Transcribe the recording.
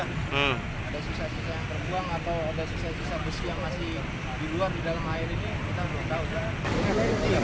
ada susah susah yang terbuang atau ada susah susah besi yang masih di luar di dalam air ini kita belum tahu